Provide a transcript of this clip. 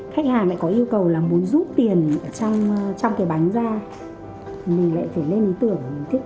khách hàng lại có yêu cầu là muốn rút tiền trong trong cái bánh ra mình lại phải lên tưởng thiết